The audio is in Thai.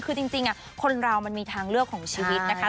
คือจริงคนเรามันมีทางเลือกของชีวิตนะคะ